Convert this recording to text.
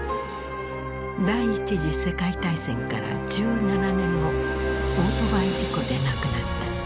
第一次世界大戦から１７年後オートバイ事故で亡くなった。